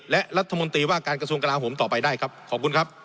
และรัฐมนตรีว่าการกระทรวงกราโหมต่อไปได้ครับขอบคุณครับ